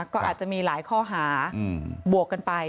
ก็อาจจะมีหลายข้อหาบวกกันไป